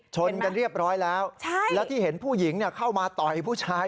ชนกันเรียบร้อยแล้วแล้วที่เห็นผู้หญิงเข้ามาต่อยผู้ชาย